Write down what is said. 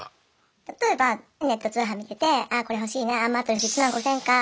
例えばネット通販見ててああこれ欲しいなマットレス１万５，０００円か。